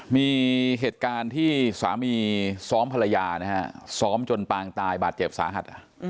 มีเหตุการณ์ที่สามีซ้อมภรรยานะฮะซ้อมจนปางตายบาดเจ็บสาหัส